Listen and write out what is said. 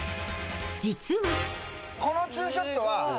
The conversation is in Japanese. ［実は］